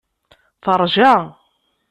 Teṛja.